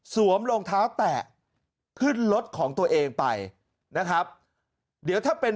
รองเท้าแตะขึ้นรถของตัวเองไปนะครับเดี๋ยวถ้าเป็น